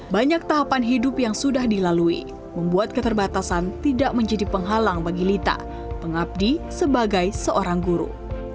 banyak tahapan hidup yang sudah dilalui membuat keterbatasan tidak menjadi penghalang bagi lita pengabdi sebagai seorang guru